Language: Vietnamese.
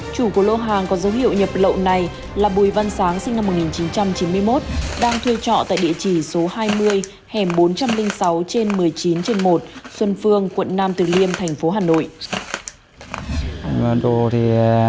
chủ của lô hàng có dấu hiệu nhập lậu này là bùi văn sáng sinh năm một nghìn chín trăm chín mươi một đang thuê trọ tại địa chỉ số hai mươi hẻm bốn trăm linh sáu trên một mươi chín trên một xuân phương quận nam từ liêm thành phố hà nội